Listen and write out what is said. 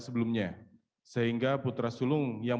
sebelumnya sehingga putra sulung yang